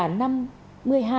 năm mươi hai bốn mươi sáu triệu đồng